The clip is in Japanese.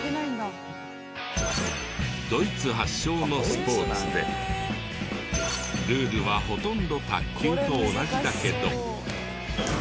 ドイツ発祥のスポーツでルールはほとんど卓球と同じだけど。